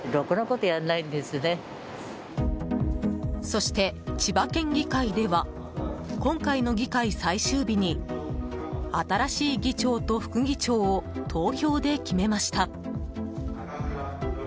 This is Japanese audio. そして、千葉県議会では今回の議会最終日に新しい議長と副議長を投票で決めました。